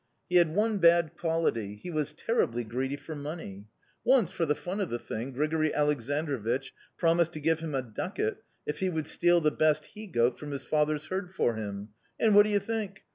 He had one bad quality; he was terribly greedy for money. Once, for the fun of the thing, Grigori Aleksandrovich promised to give him a ducat if he would steal the best he goat from his father's herd for him; and, what do you think?